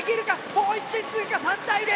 もう１点追加３対０！